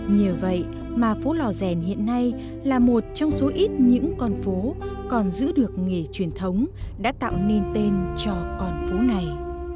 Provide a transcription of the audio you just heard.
nhờ vậy mà phố lò rèn hiện nay là một trong số ít những con phố còn giữ được nghề truyền thống đã tạo nên tên cho con phố này